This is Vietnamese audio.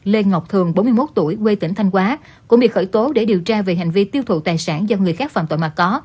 lê ngọc thường bốn mươi một tuổi quê tỉnh thanh hóa cũng bị khởi tố để điều tra về hành vi tiêu thụ tài sản do người khác phạm tội mà có